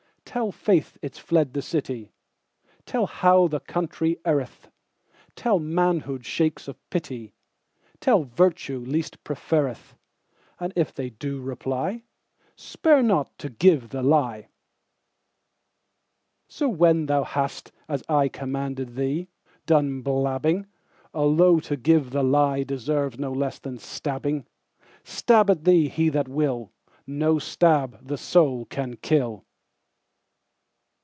Tell faith it's fled the city; Tell how the country erreth; Tell, manhood shakes off pity; Tell, virtue least preferreth:And if they do reply, Spare not to give the lie. So when thou hast, as ICommanded thee, done blabbing,—Although to give the lieDeserves no less than stabbing,—Stab at thee he that will, No stab the soul can kill.